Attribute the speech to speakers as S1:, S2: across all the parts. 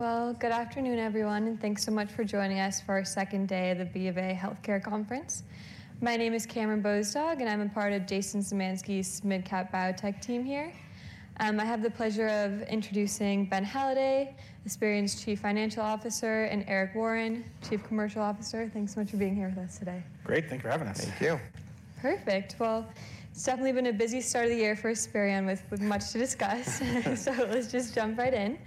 S1: Well, good afternoon, everyone, and thanks so much for joining us for our second day of the BofA Healthcare Conference. My name is Cameron Bozdog, and I'm a part of Jason Zemansky's MidCap Biotech team here. I have the pleasure of introducing Ben Halladay, Esperion's Chief Financial Officer, and Eric Warren, Chief Commercial Officer. Thanks so much for being here with us today.
S2: Great. Thanks for having us.
S3: Thank you.
S1: Perfect. Well, it's definitely been a busy start of the year for Esperion, with much to discuss, so let's just jump right in.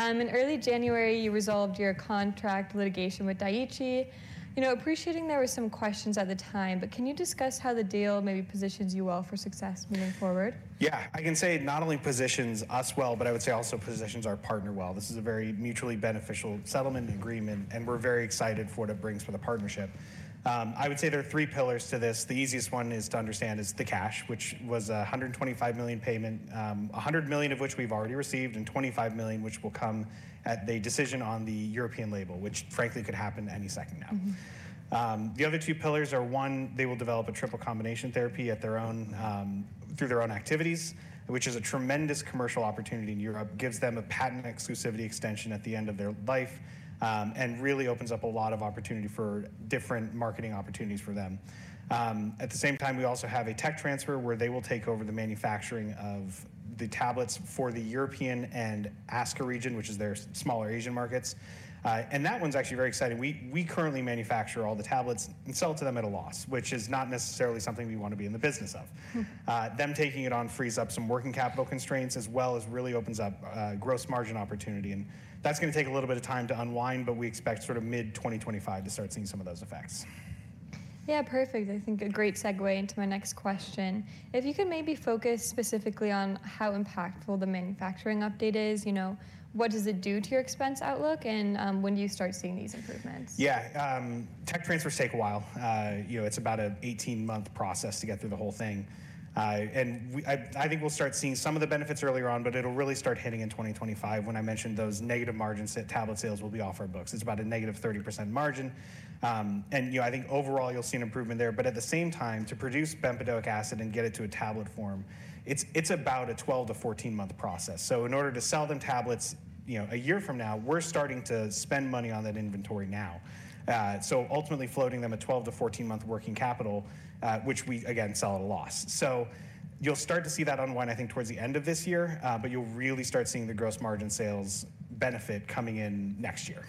S1: In early January, you resolved your contract litigation with Daiichi. Appreciating there were some questions at the time, but can you discuss how the deal maybe positions you well for success moving forward?
S2: Yeah. I can say it not only positions us well, but I would say also positions our partner well. This is a very mutually beneficial settlement and agreement, and we're very excited for what it brings for the partnership. I would say there are three pillars to this. The easiest one to understand is the cash, which was a $125 million payment, $100 million of which we've already received, and $25 million which will come at the decision on the European label, which frankly could happen any second now. The other two pillars are one, they will develop a triple combination therapy through their own activities, which is a tremendous commercial opportunity in Europe, gives them a patent exclusivity extension at the end of their life, and really opens up a lot of opportunity for different marketing opportunities for them. At the same time, we also have a tech transfer where they will take over the manufacturing of the tablets for the European and ASCA region, which is their smaller Asian markets. That one's actually very exciting. We currently manufacture all the tablets and sell to them at a loss, which is not necessarily something we want to be in the business of. Them taking it on frees up some working capital constraints as well as really opens up gross margin opportunity. That's going to take a little bit of time to unwind, but we expect sort of mid-2025 to start seeing some of those effects.
S1: Yeah, perfect. I think a great segue into my next question. If you could maybe focus specifically on how impactful the manufacturing update is, what does it do to your expense outlook, and when do you start seeing these improvements?
S2: Yeah. Tech transfers take a while. It's about an 18-month process to get through the whole thing. And I think we'll start seeing some of the benefits earlier on, but it'll really start hitting in 2025 when I mentioned those negative margins that tablet sales will be off our books. It's about a negative 30% margin. And I think overall you'll see an improvement there. But at the same time, to produce bempedoic acid and get it to a tablet form, it's about a 12-14-month process. So in order to sell them tablets a year from now, we're starting to spend money on that inventory now. So ultimately floating them a 12-14-month working capital, which we, again, sell at a loss. You'll start to see that unwind, I think, towards the end of this year, but you'll really start seeing the gross margin sales benefit coming in next year.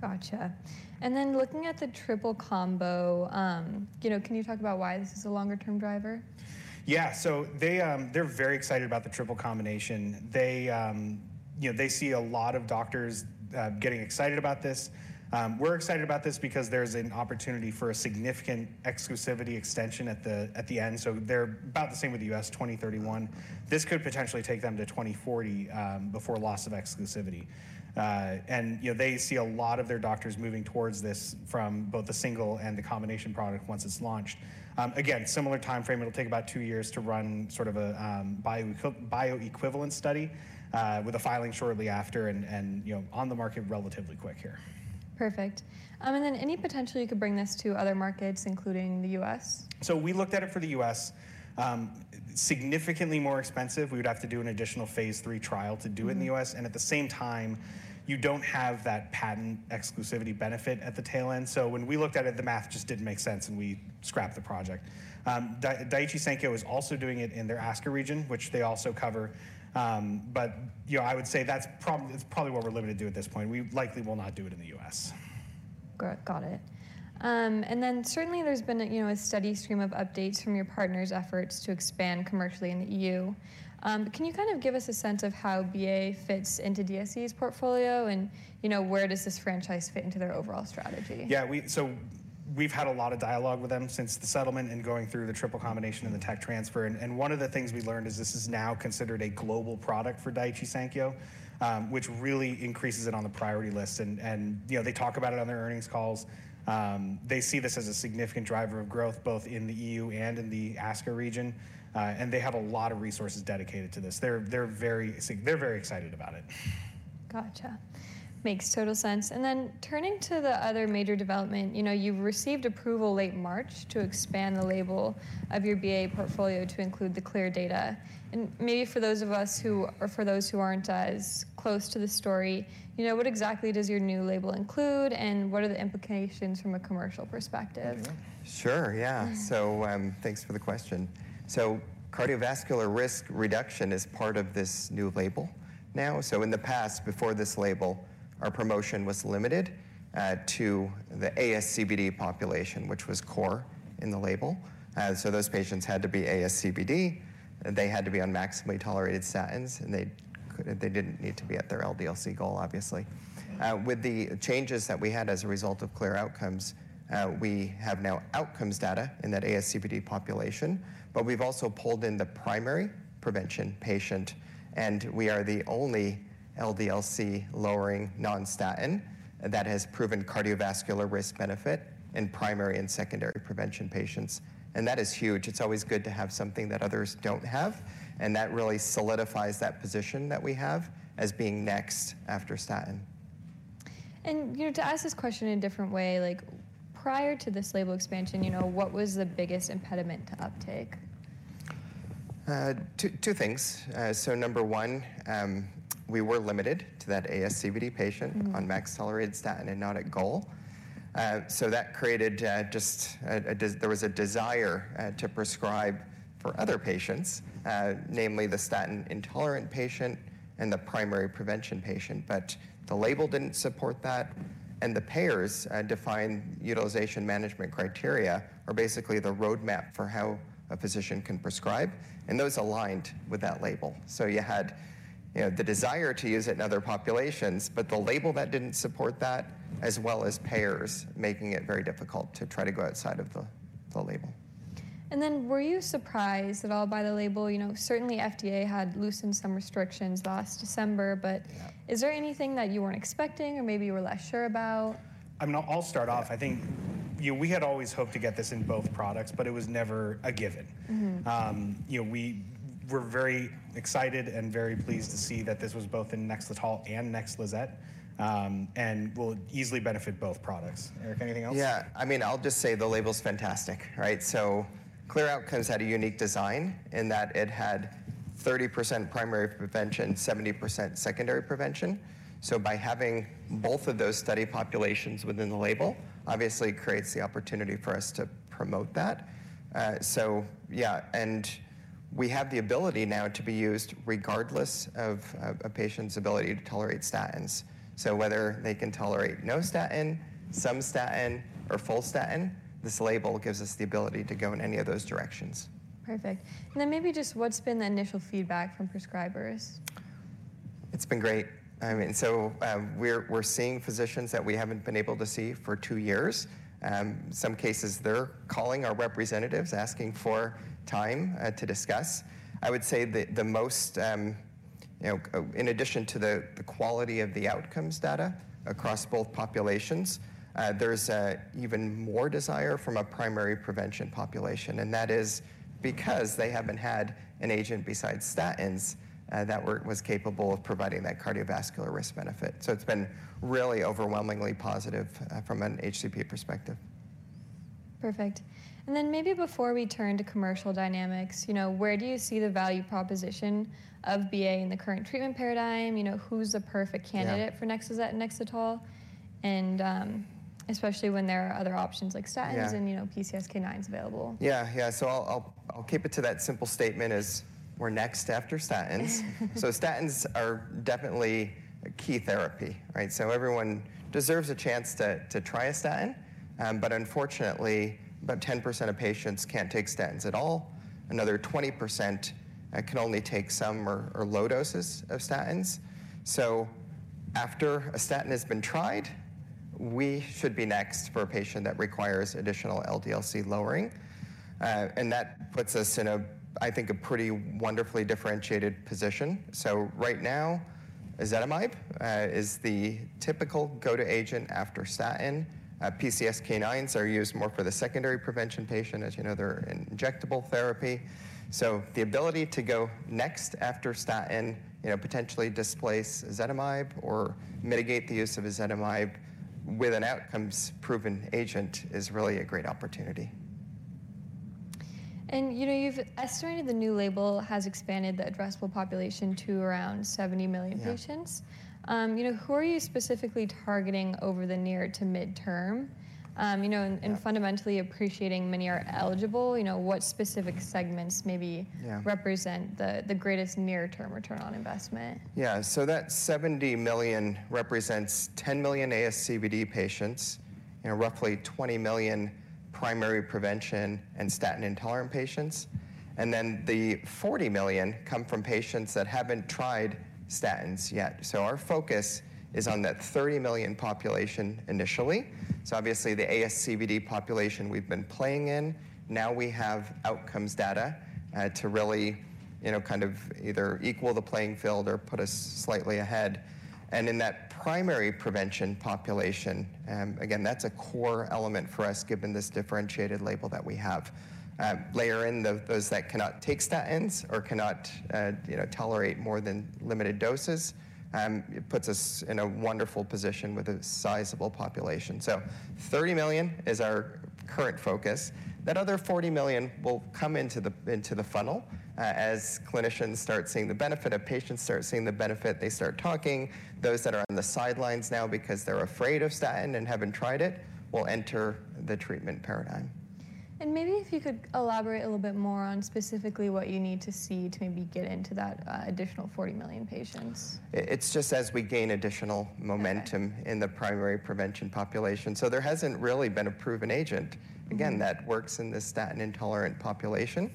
S1: Gotcha. And then looking at the triple combo, can you talk about why this is a longer-term driver?
S2: Yeah. So they're very excited about the triple combination. They see a lot of doctors getting excited about this. We're excited about this because there's an opportunity for a significant exclusivity extension at the end. So they're about the same with the U.S., 2031. This could potentially take them to 2040 before loss of exclusivity. And they see a lot of their doctors moving towards this from both the single and the combination product once it's launched. Again, similar timeframe, it'll take about 2 years to run sort of a bioequivalent study with a filing shortly after and on the market relatively quick here.
S1: Perfect. And then any potential you could bring this to other markets, including the U.S.?
S2: So we looked at it for the U.S. Significantly more expensive. We would have to do an additional phase III trial to do it in the U.S. And at the same time, you don't have that patent exclusivity benefit at the tail end. So when we looked at it, the math just didn't make sense, and we scrapped the project. Daiichi Sankyo is also doing it in their ASCA region, which they also cover. But I would say that's probably what we're limited to at this point. We likely will not do it in the U.S.
S1: Got it. And then certainly there's been a steady stream of updates from your partners' efforts to expand commercially in the E.U. Can you kind of give us a sense of how BA fits into DSC's portfolio and where does this franchise fit into their overall strategy?
S2: Yeah. So we've had a lot of dialogue with them since the settlement and going through the triple combination and the tech transfer. And one of the things we learned is this is now considered a global product for Daiichi Sankyo, which really increases it on the priority list. And they talk about it on their earnings calls. They see this as a significant driver of growth both in the E.U. and in the ASCA region. And they have a lot of resources dedicated to this. They're very excited about it.
S1: Gotcha. Makes total sense. And then turning to the other major development, you've received approval late March to expand the label of your BA portfolio to include the CLEAR data. And maybe for those who aren't as close to the story, what exactly does your new label include, and what are the implications from a commercial perspective?
S3: Sure. Yeah. So thanks for the question. So cardiovascular risk reduction is part of this new label now. So in the past, before this label, our promotion was limited to the ASCVD population, which was core in the label. So those patients had to be ASCVD. They had to be on maximally tolerated statins, and they didn't need to be at their LDL-C goal, obviously. With the changes that we had as a result of CLEAR Outcomes, we have now outcomes data in that ASCVD population, but we've also pulled in the primary prevention patient. And we are the only LDL-C-lowering non-statin that has proven cardiovascular risk benefit in primary and secondary prevention patients. And that is huge. It's always good to have something that others don't have. And that really solidifies that position that we have as being next after statin.
S1: To ask this question in a different way, prior to this label expansion, what was the biggest impediment to uptake?
S3: Two things. So number one, we were limited to that ASCVD patient on max tolerated statin and not at goal. So that created just there was a desire to prescribe for other patients, namely the statin intolerant patient and the primary prevention patient. But the label didn't support that. And the payers defined utilization management criteria are basically the roadmap for how a physician can prescribe. And those aligned with that label. So you had the desire to use it in other populations, but the label that didn't support that, as well as payers, making it very difficult to try to go outside of the label.
S1: And then were you surprised at all by the label? Certainly, FDA had loosened some restrictions last December, but is there anything that you weren't expecting or maybe you were less sure about?
S2: I'll start off. I think we had always hoped to get this in both products, but it was never a given. We were very excited and very pleased to see that this was both in NEXLETOL and NEXLIZET and will easily benefit both products. Eric, anything else?
S3: Yeah. I mean, I'll just say the label's fantastic, right? So CLEAR Outcomes had a unique design in that it had 30% primary prevention, 70% secondary prevention. So by having both of those study populations within the label, obviously creates the opportunity for us to promote that. So yeah. And we have the ability now to be used regardless of a patient's ability to tolerate statins. So whether they can tolerate no statin, some statin, or full statin, this label gives us the ability to go in any of those directions.
S1: Perfect. Maybe just what's been the initial feedback from prescribers?
S3: It's been great. I mean, so we're seeing physicians that we haven't been able to see for two years. In some cases, they're calling our representatives asking for time to discuss. I would say the most in addition to the quality of the outcomes data across both populations, there's even more desire from a primary prevention population. And that is because they haven't had an agent besides statins that was capable of providing that cardiovascular risk benefit. So it's been really overwhelmingly positive from an HCP perspective.
S1: Perfect. And then maybe before we turn to commercial dynamics, where do you see the value proposition of BA in the current treatment paradigm? Who's the perfect candidate for Nexlizet and Nexletol, especially when there are other options like statins and PCSK9s available?
S3: Yeah. Yeah. So I'll keep it to that simple statement as we're next after statins. So statins are definitely a key therapy, right? So everyone deserves a chance to try a statin. But unfortunately, about 10% of patients can't take statins at all. Another 20% can only take some or low doses of statins. So after a statin has been tried, we should be next for a patient that requires additional LDL-C lowering. And that puts us in, I think, a pretty wonderfully differentiated position. So right now, ezetimibe is the typical go-to agent after statin. PCSK9s are used more for the secondary prevention patient. As you know, they're injectable therapy. So the ability to go next after statin, potentially displace ezetimibe or mitigate the use of ezetimibe with an outcomes-proven agent is really a great opportunity.
S1: You've estimated the new label has expanded the addressable population to around 70 million patients. Who are you specifically targeting over the near to mid-term? Fundamentally, appreciating many are eligible, what specific segments maybe represent the greatest near-term return on investment?
S3: Yeah. So that 70 million represents 10 million ASCVD patients, roughly 20 million primary prevention and statin intolerant patients. And then the 40 million come from patients that haven't tried statins yet. So our focus is on that 30 million population initially. So obviously, the ASCVD population we've been playing in, now we have outcomes data to really kind of either equal the playing field or put us slightly ahead. And in that primary prevention population, again, that's a core element for us given this differentiated label that we have. Layer in those that cannot take statins or cannot tolerate more than limited doses. It puts us in a wonderful position with a sizable population. So 30 million is our current focus. That other 40 million will come into the funnel as clinicians start seeing the benefit, as patients start seeing the benefit, they start talking. Those that are on the sidelines now because they're afraid of statin and haven't tried it will enter the treatment paradigm.
S1: Maybe if you could elaborate a little bit more on specifically what you need to see to maybe get into that additional 40 million patients?
S3: It's just as we gain additional momentum in the primary prevention population. So there hasn't really been a proven agent, again, that works in this statin intolerant population.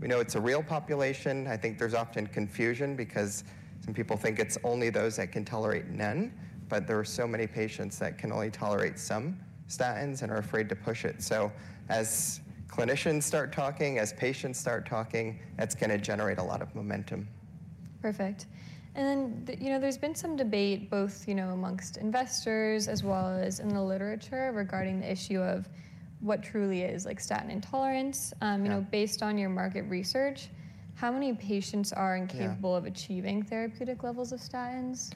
S3: We know it's a real population. I think there's often confusion because some people think it's only those that can tolerate none, but there are so many patients that can only tolerate some statins and are afraid to push it. So as clinicians start talking, as patients start talking, that's going to generate a lot of momentum.
S1: Perfect. And then there's been some debate both among investors as well as in the literature regarding the issue of what truly is statin intolerance. Based on your market research, how many patients are incapable of achieving therapeutic levels of statins?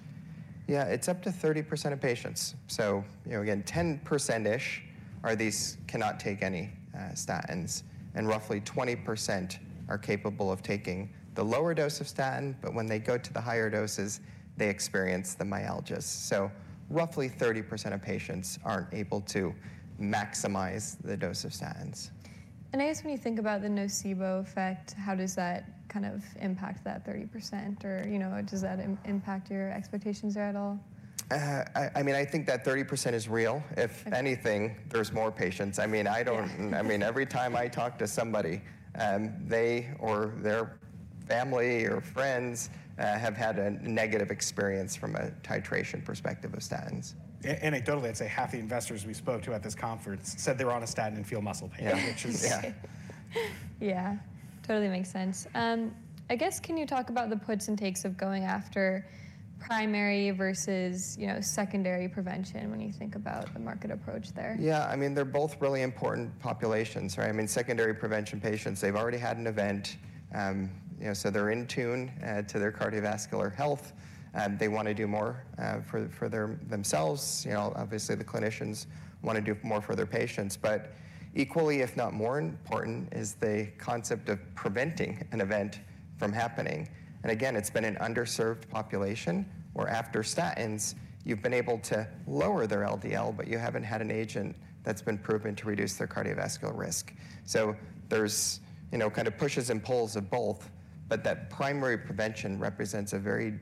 S3: Yeah. It's up to 30% of patients. So again, 10%-ish are these cannot take any statins. And roughly 20% are capable of taking the lower dose of statin, but when they go to the higher doses, they experience the myalgias. So roughly 30% of patients aren't able to maximize the dose of statins.
S1: I guess when you think about the nocebo effect, how does that kind of impact that 30%? Or does that impact your expectations there at all?
S3: I mean, I think that 30% is real. If anything, there's more patients. I mean, every time I talk to somebody, they or their family or friends have had a negative experience from a titration perspective of statins.
S2: Anecdotally, I'd say half the investors we spoke to at this conference said they were on a statin and feel muscle pain, which is.
S1: Yeah. Totally makes sense. I guess can you talk about the puts and takes of going after primary versus secondary prevention when you think about the market approach there?
S3: Yeah. I mean, they're both really important populations, right? I mean, secondary prevention patients, they've already had an event. So they're in tune to their cardiovascular health. They want to do more for themselves. Obviously, the clinicians want to do more for their patients. But equally, if not more important, is the concept of preventing an event from happening. And again, it's been an underserved population where after statins, you've been able to lower their LDL, but you haven't had an agent that's been proven to reduce their cardiovascular risk. So there's kind of pushes and pulls of both, but that primary prevention represents a very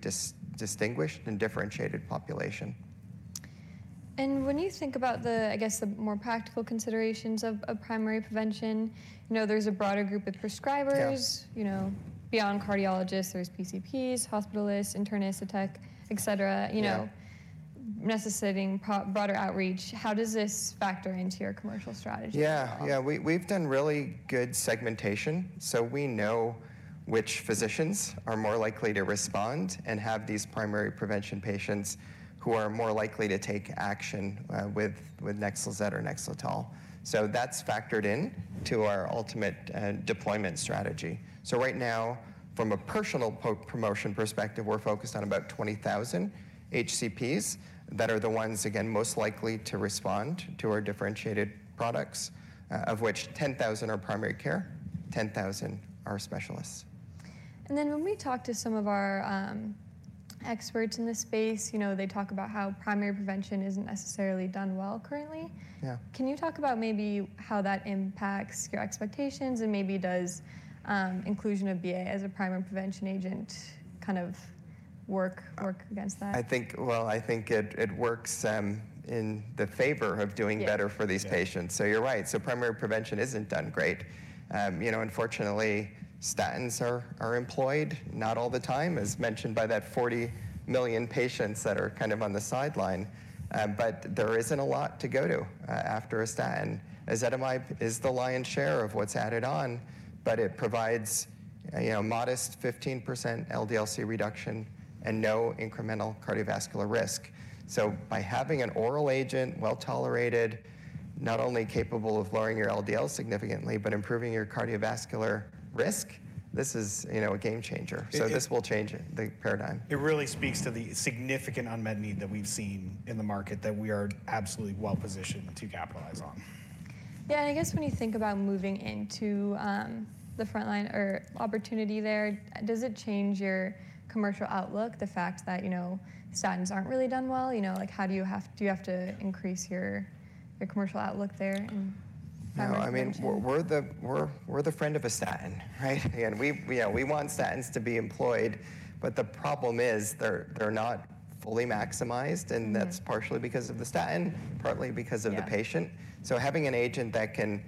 S3: distinguished and differentiated population.
S1: When you think about, I guess, the more practical considerations of primary prevention, there's a broader group of prescribers. Beyond cardiologists, there's PCPs, hospitalists, internists, a tech, etc., necessitating broader outreach. How does this factor into your commercial strategy?
S3: Yeah. Yeah. We've done really good segmentation. So we know which physicians are more likely to respond and have these primary prevention patients who are more likely to take action with NEXLIZET or NEXLETOL. So that's factored into our ultimate deployment strategy. So right now, from a personal promotion perspective, we're focused on about 20,000 HCPs that are the ones, again, most likely to respond to our differentiated products, of which 10,000 are primary care, 10,000 are specialists.
S1: And then when we talk to some of our experts in this space, they talk about how primary prevention isn't necessarily done well currently. Can you talk about maybe how that impacts your expectations and maybe does inclusion of BA as a primary prevention agent kind of work against that?
S3: Well, I think it works in the favor of doing better for these patients. So you're right. So primary prevention isn't done great. Unfortunately, statins are employed not all the time, as mentioned by that 40 million patients that are kind of on the sideline. But there isn't a lot to go to after a statin. ezetimibe is the lion's share of what's added on, but it provides modest 15% LDL-C reduction and no incremental cardiovascular risk. So by having an oral agent, well-tolerated, not only capable of lowering your LDL significantly, but improving your cardiovascular risk, this is a game changer. So this will change the paradigm.
S2: It really speaks to the significant unmet need that we've seen in the market that we are absolutely well-positioned to capitalize on.
S1: Yeah. I guess when you think about moving into the frontline or opportunity there, does it change your commercial outlook, the fact that statins aren't really done well? Do you have to increase your commercial outlook there and find ways to?
S3: No. I mean, we're the friend of a statin, right? Again, we want statins to be employed, but the problem is they're not fully maximized. And that's partially because of the statin, partly because of the patient. So having an agent that can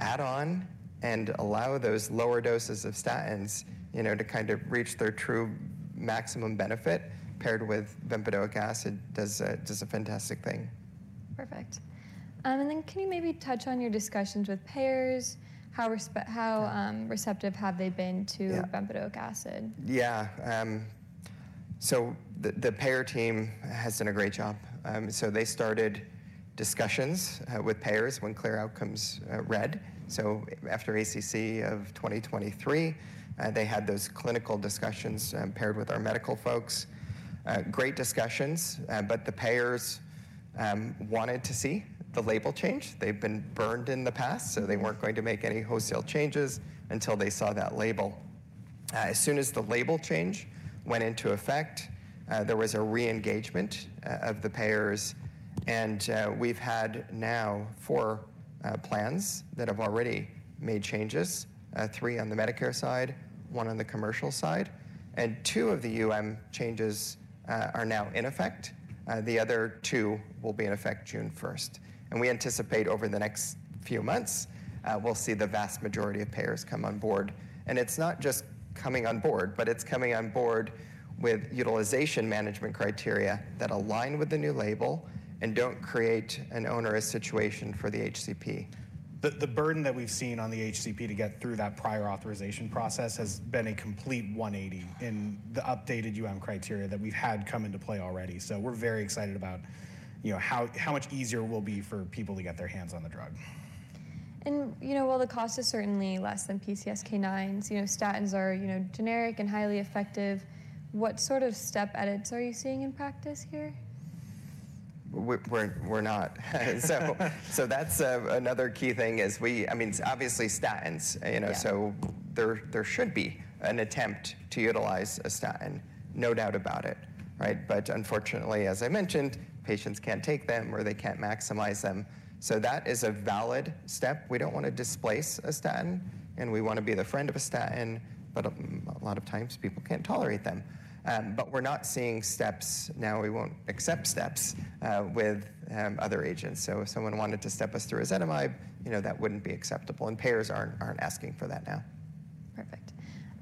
S3: add on and allow those lower doses of statins to kind of reach their true maximum benefit paired with bempedoic acid does a fantastic thing.
S1: Perfect. And then can you maybe touch on your discussions with payers? How receptive have they been to bempedoic acid?
S3: Yeah. So the payer team has done a great job. So they started discussions with payers when CLEAR Outcomes read. So after ACC of 2023, they had those clinical discussions paired with our medical folks. Great discussions, but the payers wanted to see the label change. They've been burned in the past, so they weren't going to make any wholesale changes until they saw that label. As soon as the label change went into effect, there was a re-engagement of the payers. And we've had now four plans that have already made changes, three on the Medicare side, one on the commercial side. And two of the changes are now in effect. The other two will be in effect June 1st. And we anticipate over the next few months, we'll see the vast majority of payers come on board. It's not just coming on board, but it's coming on board with utilization management criteria that align with the new label and don't create an onerous situation for the HCP.
S2: The burden that we've seen on the HCP to get through that prior authorization process has been a complete 180 in the updated criteria that we've had come into play already. So we're very excited about how much easier it will be for people to get their hands on the drug.
S1: While the cost is certainly less than PCSK9s, statins are generic and highly effective. What sort of step edits are you seeing in practice here?
S3: We're not. So that's another key thing is we, I mean, obviously, statins. So there should be an attempt to utilize a statin, no doubt about it, right? But unfortunately, as I mentioned, patients can't take them or they can't maximize them. So that is a valid step. We don't want to displace a statin, and we want to be the friend of a statin. But a lot of times, people can't tolerate them. But we're not seeing steps now. We won't accept steps with other agents. So if someone wanted to step us through ezetimibe, that wouldn't be acceptable. And payers aren't asking for that now.
S1: Perfect.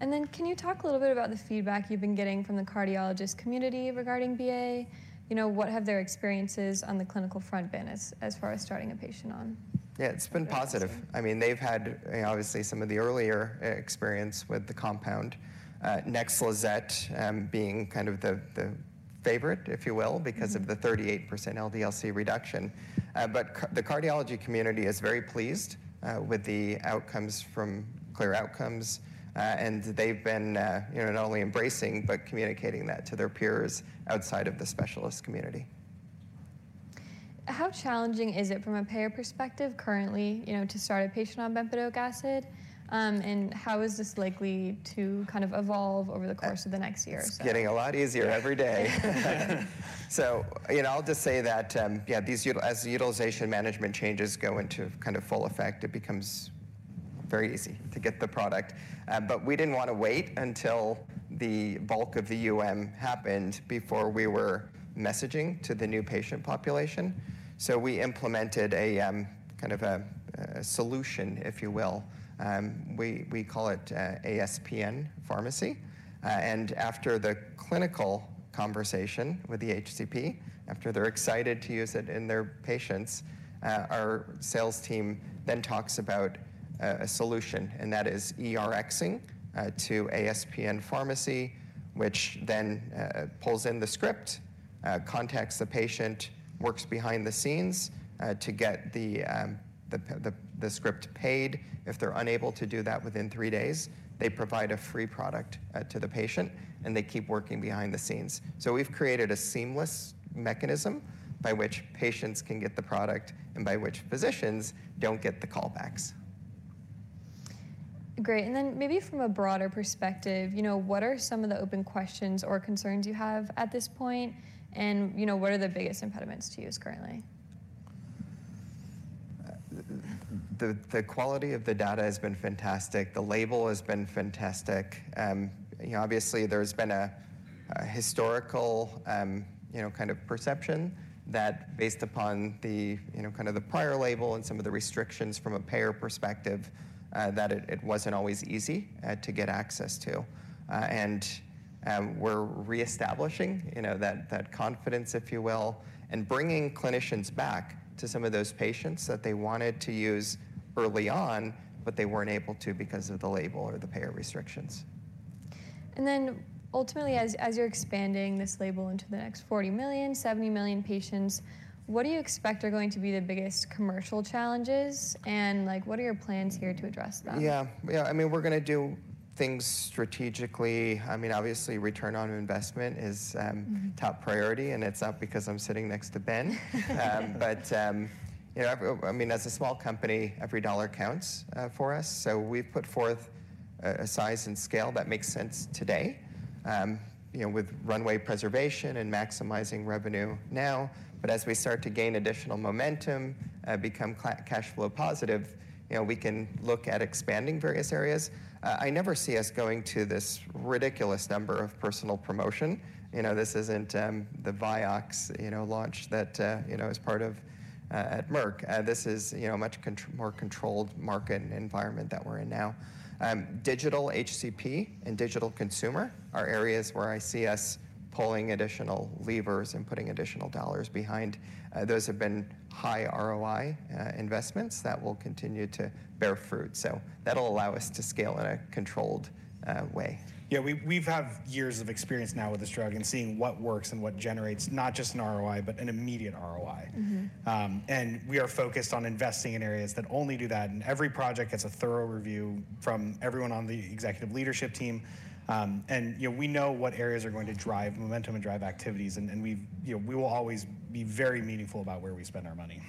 S1: And then can you talk a little bit about the feedback you've been getting from the cardiologist community regarding BA? What have their experiences on the clinical front been as far as starting a patient on?
S3: Yeah. It's been positive. I mean, they've had, obviously, some of the earlier experience with the compound, Nexlizet being kind of the favorite, if you will, because of the 38% LDL-C reduction. But the cardiology community is very pleased with the outcomes from CLEAR Outcomes. And they've been not only embracing but communicating that to their peers outside of the specialist community.
S1: How challenging is it from a payer perspective currently to start a patient on bempedoic acid? And how is this likely to kind of evolve over the course of the next year or so?
S3: It's getting a lot easier every day. So I'll just say that, yeah, as utilization management changes go into kind of full effect, it becomes very easy to get the product. But we didn't want to wait until the bulk of the happened before we were messaging to the new patient population. So we implemented kind of a solution, if you will. We call it ASPN Pharmacy. And after the clinical conversation with the HCP, after they're excited to use it in their patients, our sales team then talks about a solution. And that is ERXing to ASPN Pharmacy, which then pulls in the script, contacts the patient, works behind the scenes to get the script paid. If they're unable to do that within three days, they provide a free product to the patient, and they keep working behind the scenes. We've created a seamless mechanism by which patients can get the product and by which physicians don't get the callbacks.
S1: Great. And then maybe from a broader perspective, what are some of the open questions or concerns you have at this point? And what are the biggest impediments to use currently?
S3: The quality of the data has been fantastic. The label has been fantastic. Obviously, there's been a historical kind of perception that, based upon kind of the prior label and some of the restrictions from a payer perspective, that it wasn't always easy to get access to. We're reestablishing that confidence, if you will, and bringing clinicians back to some of those patients that they wanted to use early on, but they weren't able to because of the label or the payer restrictions.
S1: And then ultimately, as you're expanding this label into the next 40 million, 70 million patients, what do you expect are going to be the biggest commercial challenges? And what are your plans here to address them?
S3: Yeah. Yeah. I mean, we're going to do things strategically. I mean, obviously, return on investment is top priority, and it's not because I'm sitting next to Ben. But I mean, as a small company, every dollar counts for us. So we've put forth a size and scale that makes sense today with runway preservation and maximizing revenue now. But as we start to gain additional momentum, become cash flow positive, we can look at expanding various areas. I never see us going to this ridiculous number of personal promotion. This isn't the Vioxx launch that is part of at Merck. This is a much more controlled market environment that we're in now. Digital HCP and digital consumer are areas where I see us pulling additional levers and putting additional dollars behind. Those have been high ROI investments that will continue to bear fruit. That'll allow us to scale in a controlled way.
S2: Yeah. We have years of experience now with this drug and seeing what works and what generates not just an ROI, but an immediate ROI. We are focused on investing in areas that only do that. Every project gets a thorough review from everyone on the executive leadership team. We know what areas are going to drive momentum and drive activities. We will always be very meaningful about where we spend our money.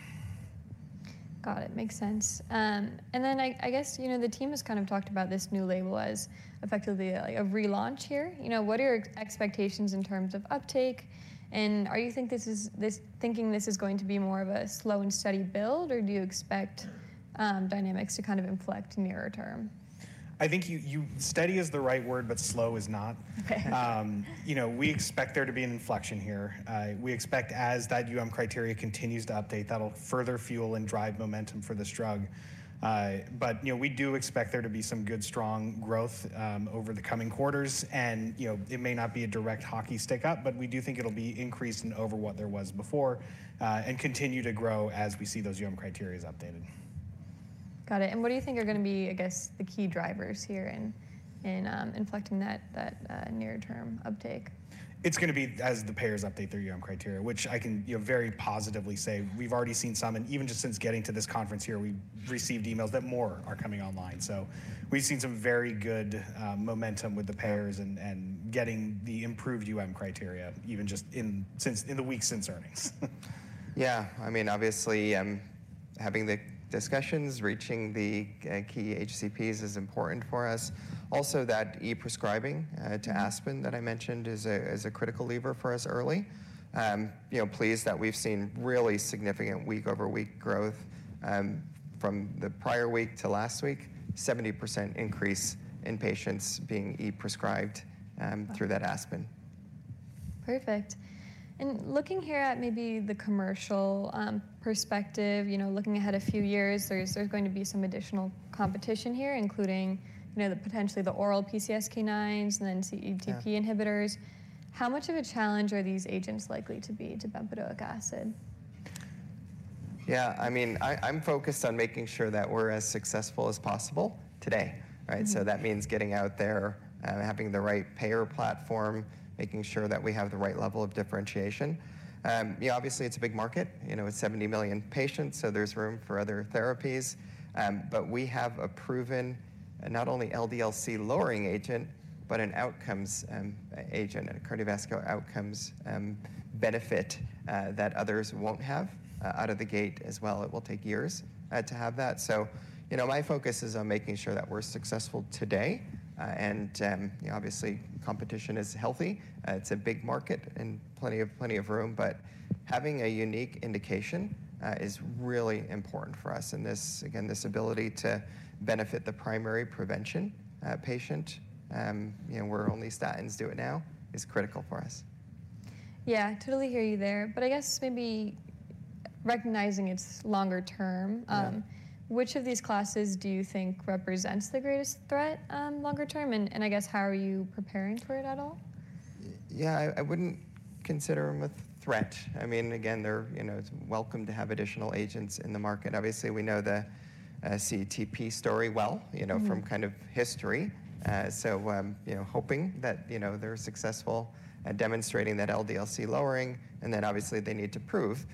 S1: Got it. Makes sense. And then I guess the team has kind of talked about this new label as effectively a relaunch here. What are your expectations in terms of uptake? And are you thinking this is going to be more of a slow and steady build, or do you expect dynamics to kind of inflect nearer term?
S2: I think steady is the right word, but slow is not. We expect there to be an inflection here. We expect, as that criteria continues to update, that'll further fuel and drive momentum for this drug. But we do expect there to be some good, strong growth over the coming quarters. And it may not be a direct hockey stick up, but we do think it'll be increased in over what there was before and continue to grow as we see those criteria updated.
S1: Got it. What do you think are going to be, I guess, the key drivers here in inflecting that near-term uptake?
S2: It's going to be as the payers update their criteria, which I can very positively say. We've already seen some. And even just since getting to this conference here, we've received emails that more are coming online. So we've seen some very good momentum with the payers and getting the improved criteria even just in the week since earnings.
S3: Yeah. I mean, obviously, having the discussions, reaching the key HCPs is important for us. Also, that e-prescribing to ASPN that I mentioned is a critical lever for us early. Pleased that we've seen really significant week-over-week growth from the prior week to last week, 70% increase in patients being e-prescribed through that ASPN.
S1: Perfect. Looking here at maybe the commercial perspective, looking ahead a few years, there's going to be some additional competition here, including potentially the oral PCSK9s and then CETP inhibitors. How much of a challenge are these agents likely to be to bempedoic acid?
S3: Yeah. I mean, I'm focused on making sure that we're as successful as possible today, right? So that means getting out there, having the right payer platform, making sure that we have the right level of differentiation. Obviously, it's a big market. It's 70 million patients, so there's room for other therapies. But we have a proven not only LDL-C-lowering agent, but an outcomes agent, a cardiovascular outcomes benefit that others won't have out of the gate as well. It will take years to have that. So my focus is on making sure that we're successful today. And obviously, competition is healthy. It's a big market and plenty of room. But having a unique indication is really important for us. And again, this ability to benefit the primary prevention patient where only statins do it now is critical for us.
S1: Yeah. Totally hear you there. But I guess maybe recognizing it's longer term, which of these classes do you think represents the greatest threat longer term? And I guess how are you preparing for it at all?
S3: Yeah. I wouldn't consider them a threat. I mean, again, it's welcome to have additional agents in the market. Obviously, we know the CETP story well from kind of history. So hoping that they're successful at demonstrating that LDL-C-lowering. And then obviously, they need to prove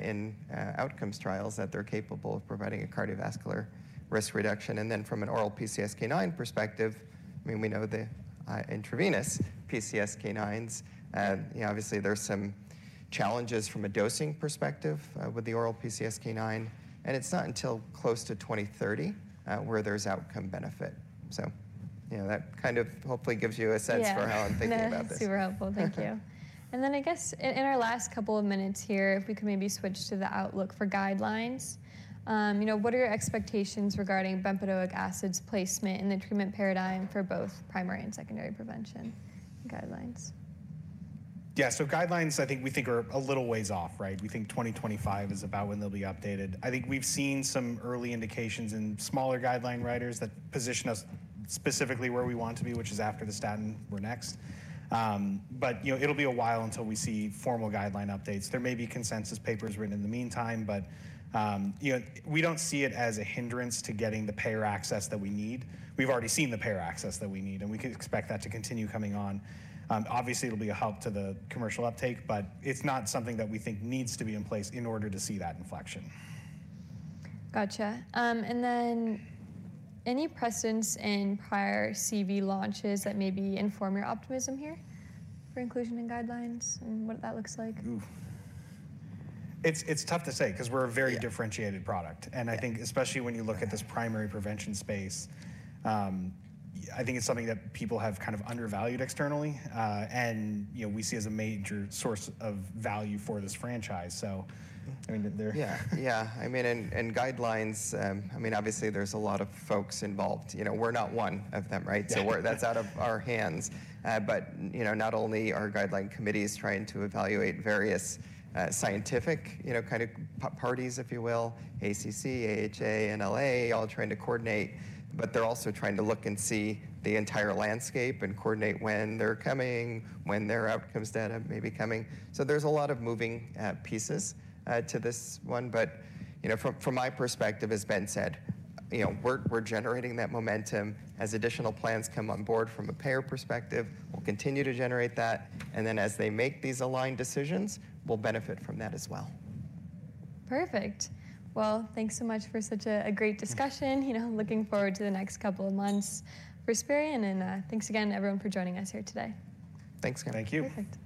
S3: in outcomes trials that they're capable of providing a cardiovascular risk reduction. And then from an oral PCSK9 perspective, I mean, we know the intravenous PCSK9s. Obviously, there's some challenges from a dosing perspective with the oral PCSK9. And it's not until close to 2030 where there's outcome benefit. So that kind of hopefully gives you a sense for how I'm thinking about this.
S1: Yeah. Super helpful. Thank you. And then I guess in our last couple of minutes here, if we could maybe switch to the outlook for guidelines, what are your expectations regarding bempedoic acid's placement in the treatment paradigm for both primary and secondary prevention guidelines?
S2: Yeah. So guidelines, I think we think are a little ways off, right? We think 2025 is about when they'll be updated. I think we've seen some early indications in smaller guideline writers that position us specifically where we want to be, which is after the statin we're next. But it'll be a while until we see formal guideline updates. There may be consensus papers written in the meantime, but we don't see it as a hindrance to getting the payer access that we need. We've already seen the payer access that we need, and we can expect that to continue coming on. Obviously, it'll be a help to the commercial uptake, but it's not something that we think needs to be in place in order to see that inflection.
S1: Gotcha. And then any precedents in prior CV launches that maybe inform your optimism here for inclusion in guidelines and what that looks like?
S2: Ooh. It's tough to say because we're a very differentiated product. And I think especially when you look at this primary prevention space, I think it's something that people have kind of undervalued externally. And we see as a major source of value for this franchise. So I mean, they're.
S3: Yeah. Yeah. I mean, and guidelines, I mean, obviously, there's a lot of folks involved. We're not one of them, right? So that's out of our hands. But not only are guideline committees trying to evaluate various scientific kind of parties, if you will, ACC, AHA, and NLA, all trying to coordinate, but they're also trying to look and see the entire landscape and coordinate when they're coming, when their outcomes data may be coming. So there's a lot of moving pieces to this one. But from my perspective, as Ben said, we're generating that momentum as additional plans come on board from a payer perspective. We'll continue to generate that. And then as they make these aligned decisions, we'll benefit from that as well.
S1: Perfect. Well, thanks so much for such a great discussion. Looking forward to the next couple of months for Esperion. Thanks again, everyone, for joining us here today.
S2: Thanks, Cam.
S3: Thank you.
S1: Perfect.